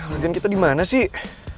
lagi lagi kita dimana sih